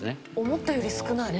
思ったより少ない。